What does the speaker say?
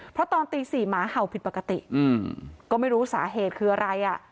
เพราะตอนตี๔หมาเห่าผิดปกติก็ไม่รู้สาเหตุคืออะไรอ่ะ